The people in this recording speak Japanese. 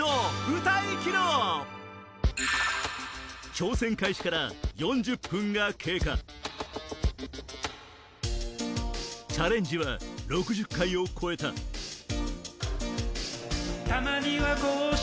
挑戦開始から４０分が経過チャレンジは６０回を超えたうわ！